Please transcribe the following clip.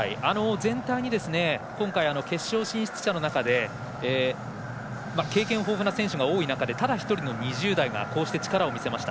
全体に今回、決勝進出者の中で経験豊富な選手が多い中でただ１人の２０代がこうして力を見せました。